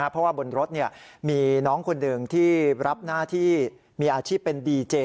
เพราะว่าบนรถมีน้องคนหนึ่งที่รับหน้าที่มีอาชีพเป็นดีเจ